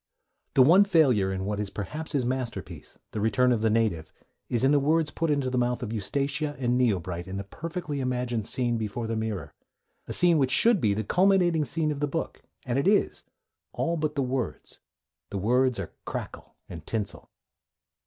The one failure in what is perhaps his masterpiece, The Return of the Native, is in the words put into the mouth of Eustacia and Yeobright in the perfectly imagined scene before the mirror, a scene which should be the culminating scene of the book; and it is, all but the words: the words are crackle and tinsel.